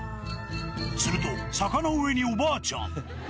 すると、坂の上におばあちゃん。